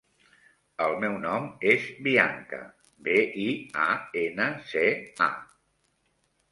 El meu nom és Bianca: be, i, a, ena, ce, a.